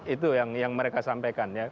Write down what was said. itu yang mereka sampaikan